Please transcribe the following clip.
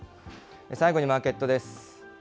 最後にマーケットです。